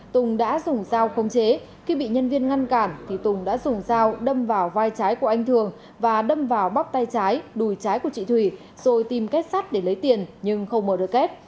tùng đã dùng dao không chế khi bị nhân viên ngăn cản thì tùng đã dùng dao đâm vào vai trái của anh thường và đâm vào bóc tay trái đùi trái của chị thủy rồi tìm kết sắt để lấy tiền nhưng không mờ được kết